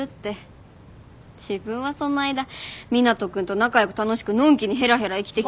自分はその間湊斗君と仲良く楽しくのんきにへらへら生きて。